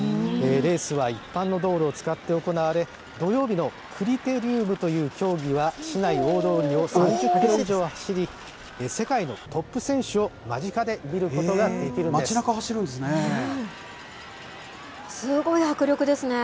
レースは一般の道路を使って行われ、土曜日のクリテリウムという競技は、市内大通りを３０キロ以上走り、世界のトップ選手を間近で見るこ街なか走るんですね。